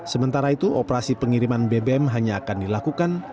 sementara itu operasi pengiriman bbm hanya akan dilakukan